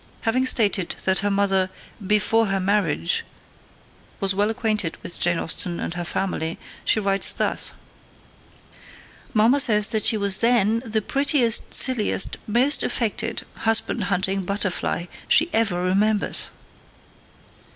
Having stated that her mother 'before her marriage' was well acquainted with Jane Austen and her family, she writes thus: 'Mamma says that she was then the prettiest, silliest, most affected, husband hunting butterfly she ever remembers.'